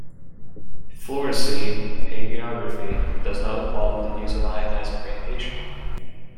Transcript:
Fluorescein angiography does not involve the use of ionizing radiation.